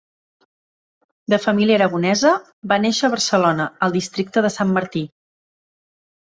De família aragonesa, va néixer a Barcelona, al Districte de Sant Martí.